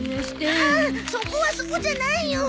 ああそこはそうじゃないよ！